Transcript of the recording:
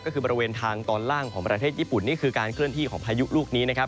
ก็คือบริเวณทางตอนล่างของประเทศญี่ปุ่นนี่คือการเคลื่อนที่ของพายุลูกนี้นะครับ